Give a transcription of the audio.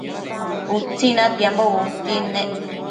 Utsi natiambo bunquid